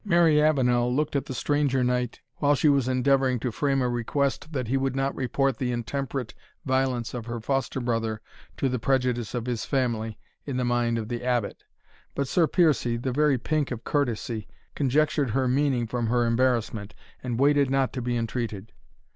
Mary Avenel looked at the stranger knight, while she was endeavouring to frame a request that he would not report the intemperate violence of her foster brother to the prejudice of his family, in the mind of the Abbot. But Sir Piercie, the very pink of courtesy, conjectured her meaning from her embarrassment, and waited not to be entreated.